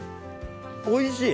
おいしい！